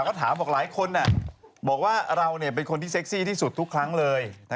ก็ถามบอกหลายคนบอกว่าเราเป็นคนที่เซ็กซี่ที่สุดทุกครั้งเลย